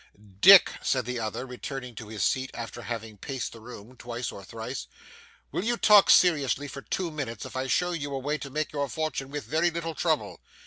'Dick!' said the other, returning to his seat after having paced the room twice or thrice, 'will you talk seriously for two minutes, if I show you a way to make your fortune with very little trouble?